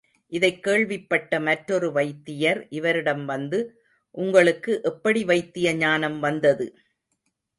இதைக் கேள்விப்பட்ட மற்றொரு வைத்தியர் இவரிடம் வந்து உங்களுக்கு எப்படி வைத்திய ஞானம் வந்தது?